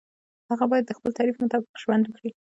هغه باید د خپل تعریف مطابق ژوند وکړي.